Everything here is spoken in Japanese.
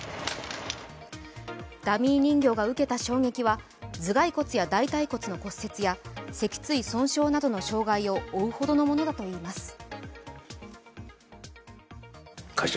ダミー人形が受けた衝撃は頭蓋骨や大たい骨の骨折や脊椎損傷などの傷害を負うほどのものだといいます。